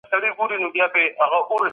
ده شعري صنايع پښتني کړل